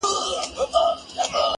هغې ته هر څه بند ښکاري او فکر ګډوډ وي